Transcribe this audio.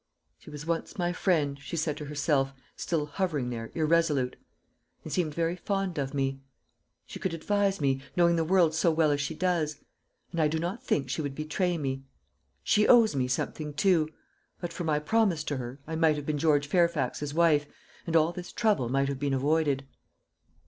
"She was once my friend," she said to herself, still hovering there irresolute, "and seemed very fond of me. She could advise me, knowing the world so well as she does; and I do not think she would betray me. She owes me something, too. But for my promise to her, I might have been George Fairfax's wife, and all this trouble might have been avoided."